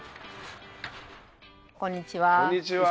こんにちは。